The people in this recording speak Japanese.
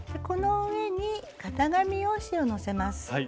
この上に型紙用紙をのせます。